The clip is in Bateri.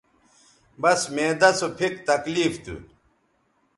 بس معدہ سو پھک تکلیف تھو